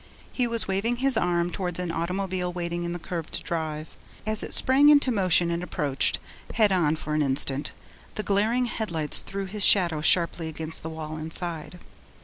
He was waving his arm towards an automobile waiting in the curved drive. As it sprang into motion and approached, head on for an instant, the glaring headlights threw his shadow sharply against the wall inside.